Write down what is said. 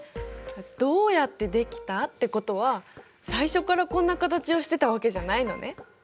どうやってできたってことは最初からこんな形をしてたわけじゃないのね。